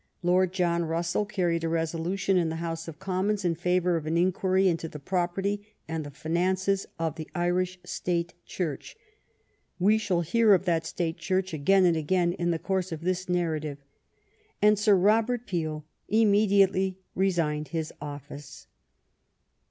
Lord John Russell carried a resolution in the House of Commons in favor of an inquiry into the property and the finances of the Irish State Church — we shall hear of that State Church again and again in the course of this narrative — and Sir Robert Peel immedi ately resigned his office.